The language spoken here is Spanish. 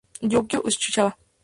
Yukio Tsuchiya